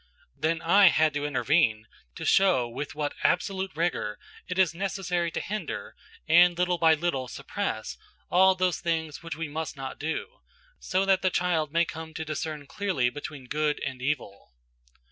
Then I had to intervene to show with what absolute rigour it is necessary to hinder, and little by little suppress, all those things which we must not do, so that the child may come to discern clearly between good and evil.